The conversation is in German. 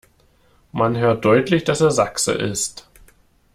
Man hört deutlich, dass er Sachse ist.